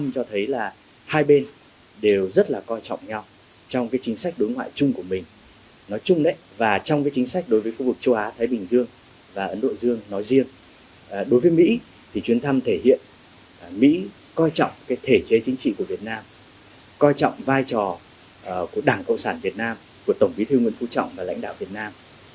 của đảng cộng sản việt nam của tổng bí thư nguyễn phú trọng và lãnh đạo việt nam